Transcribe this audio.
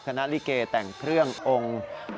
คณะริเกย์แต่งเครื่ององค์